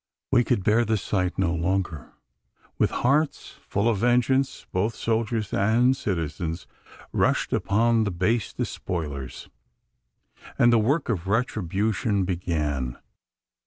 We could bear the sight no longer. With hearts full of vengeance, both soldiers and citizens rushed upon the base despoilers; and the work of retribution began.